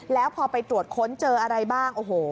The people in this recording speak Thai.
แล้วพอไปตรวจค้นเจออะไรบ้างโอ้โห